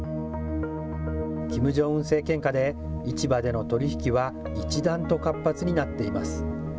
キム・ジョンウン政権下で市場での取り引きは一段と活発になっています。